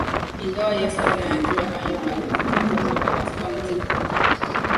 Ingawa Yesu aliyajua hayo alijikaza kwenda katika mji huo mtakatifu